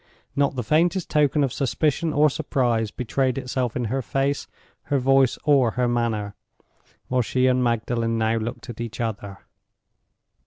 Not the faintest token of suspicion or surprise betrayed itself in her face, her voice, or her manner, while she and Magdalen now looked at each other.